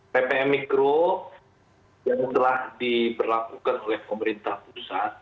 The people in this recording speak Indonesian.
ppkm mikro yang telah diberlakukan oleh pemerintah pusat